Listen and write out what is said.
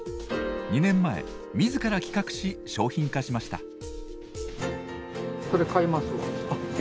２年前自ら企画し商品化しました。